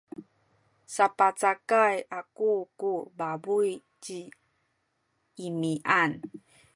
sapacakay aku ku pabuy ci Imian.